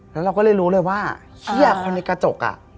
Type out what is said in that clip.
แล้วเราก็เลยรู้เลยว่าเนี่ยคนในกระจก